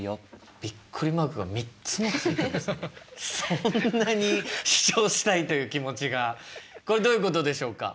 そんなに主張したいという気持ちがこれどういうことでしょうか？